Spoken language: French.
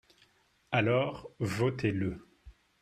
Alors votez-le